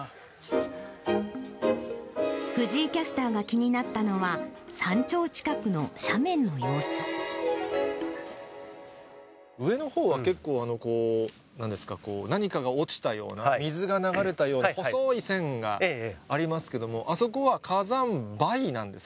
藤井キャスターが気になったのは、上のほうは結構、なんですか、何かが落ちたような、水が流れたような、細い線がありますけども、あそこは火山灰なんですか？